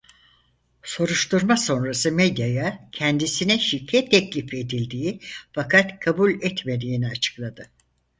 Soruşturma sonrası medyaya kendisine şike teklif edildiği fakat kabul etmediğini açıkladı.